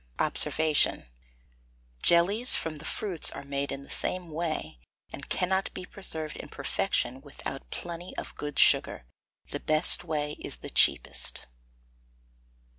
Obs. Jellies from the fruits are made in the same way, and cannot be preserved in perfection without plenty of good sugar. The best way is the cheapest.